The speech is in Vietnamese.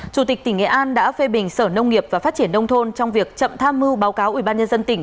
chủ tịch tỉnh nghệ an đã phê bình sở nông nghiệp và phát triển nông thôn trong việc chậm tham mưu báo cáo ubnd tỉnh